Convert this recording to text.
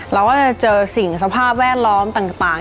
เราก็จะเจอสิ่งสภาพแวดล้อมต่าง